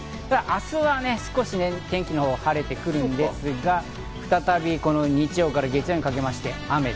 明日は天気は晴れてくるんですが、再び日曜から月曜にかけて雨。